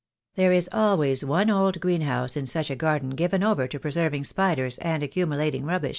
There is always one old greenhouse in such a garden given over to preserving spiders and accumulating rubbish.